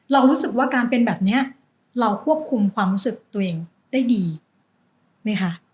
เรารู้สึกว่าการเป็นแบบนี้เราควบคุมความรู้สึกตัวเองได้ดีไหมคะ